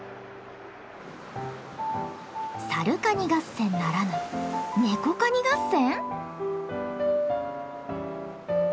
サルカニ合戦ならぬネコカニ合戦！？